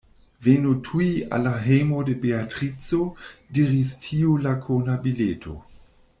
Venu tuj al la hejmo de Beatrico, diris tiu lakona bileto.